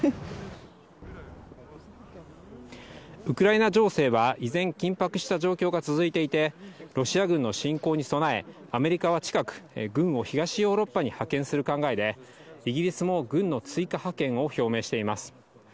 ウクライナ情勢は依然、緊迫した状況が続いていて、ロシア軍の侵攻に備え、アメリカは近く、軍を東ヨーロッパに派遣する考えで、イギリスも軍の追加派遣を表明しています。